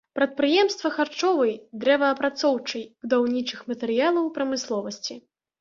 Прадпрыемствы харчовай, дрэваапрацоўчай, будаўнічых матэрыялаў прамысловасці.